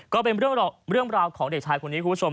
ก็เป็นเรื่องราวของเด็กชายคนนี้คุณผู้ชม